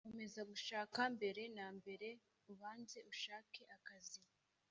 Komeza gushaka mbere na mbere ubanze ushake akazi